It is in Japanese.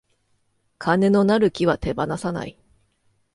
金のなる木は手放さない